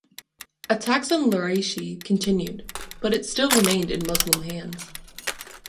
Attacks on Larache continued, but it still remained in Muslim hands.